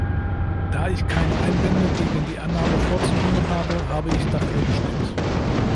Da ich keine Einwände gegen die Annahme vorzubringen habe, habe ich dafür gestimmt.